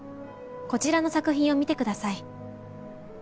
こちらの作品を見てください。